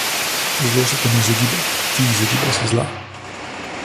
Zlo se te ne izogiba, ti izogibaj se zla.